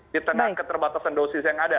di tengah keterbatasan dosis yang ada